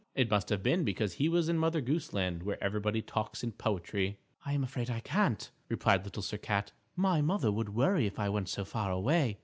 It must have been because he was in Mother Goose Land where everybody talks in poetry. "I'm afraid I can't," replied Little Sir Cat. "My mother would worry if I went so far away."